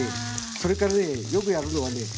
それからねよくやるのはね